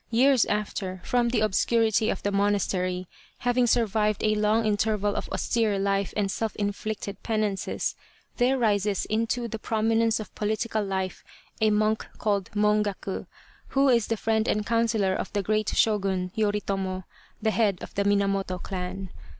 Years after, from the obscurity of the monastery, having survived a long interval of austere life and self inflicted penances, there rises into the prominence of political life a monk called Mongaku, who is the friend and counsellor of the great Shogun, Yoritomo, the head of the Minamoto clan.